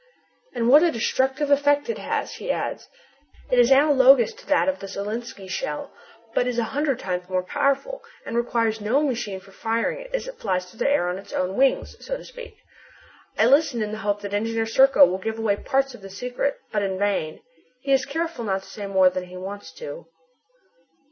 "And what a destructive effect it has," he adds. "It is analogous to that of the Zalinski shell, but is a hundred times more powerful, and requires no machine for firing it, as it flies through the air on its own wings, so to speak." I listen in the hope that Engineer Serko will give away a part of the secret, but in vain. He is careful not to say more than he wants to.